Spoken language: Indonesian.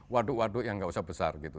waduk waduk yang nggak usah besar gitu